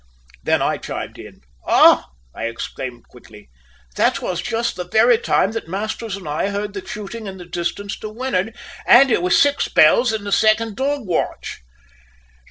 Then I chimed in. "Ah!" I exclaimed quickly, "that was just the very time that Masters and I heard the shooting in the distance to win'ard, and it was six bells in the second dog watch!"